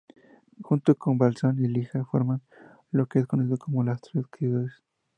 Junto con Balzan y Lija forman lo que es conocido como "Las Tres Ciudades".